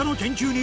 に